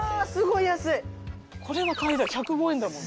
これは買い１０５円だもん。